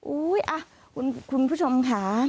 อุ๊ยคุณผู้ชมค่ะ